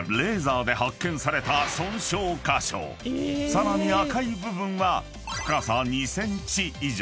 ［さらに赤い部分は深さ２ｃｍ以上］